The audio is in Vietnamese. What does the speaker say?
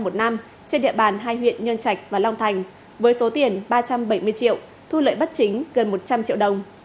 trên địa bàn hai huyện nhân trạch và long thành với số tiền ba trăm bảy mươi triệu thu lợi bắt chính gần một trăm linh triệu đồng